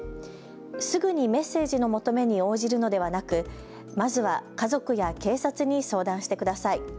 すぐにメッセージの求めに応じるのではなく、まずは家族や警察に相談してください。